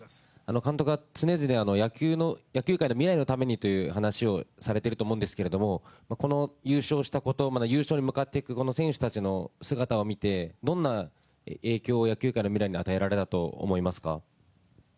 監督は常々野球界の未来のためにという話をされていると思うんですがこの優勝したことまた、優勝に向かっていく選手たちの姿を見てどんな影響を野球界の未来に与えられたと思いますか。